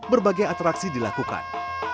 berbagai atraksi dilakukan